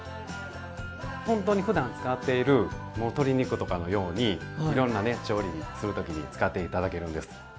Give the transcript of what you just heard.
ほんとにふだん使っている鶏肉とかのようにいろんなね調理する時に使って頂けるんです。